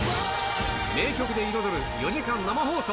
名曲で彩る４時間生放送。